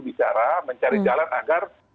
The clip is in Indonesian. bicara mencari jalan agar